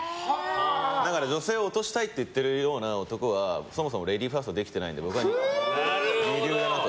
だから、女性をオトしたいって言っているような男はそもそもレディーファーストができてないので、僕は２流だなと。